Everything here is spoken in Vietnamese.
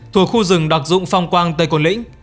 thuộc khu rừng đặc dụng phong quang tây cột lĩnh